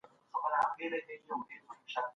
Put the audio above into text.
اقتصاد پوه بران بېلابېل نظریات وړاندې کړل.